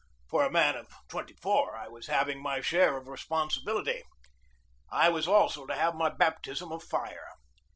For a man of twenty four I was having my share of responsibility. I was also to have my baptism of fire.